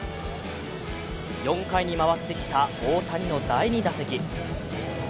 ４回にまわってきた大谷の第２打席。